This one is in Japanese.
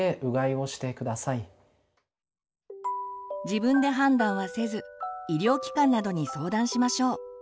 自分で判断はせず医療機関などに相談しましょう。